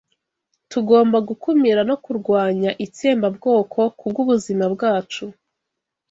Tugomba gukumira no kurwanya itsembabwoko ku bw'ubuzima bwacu